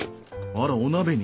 あらお鍋に。